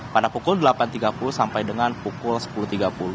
pada pukul delapan tiga puluh sampai di jawa barat